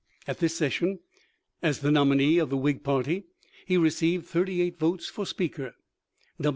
At this session, as the nominee of the Whig party, he received thirty eight votes for Speaker.